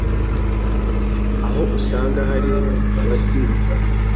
aho usanga hari abatibuka